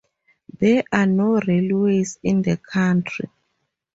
There are no railways in the country.